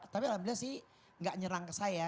tapi alhamdulillah sih nggak nyerang ke saya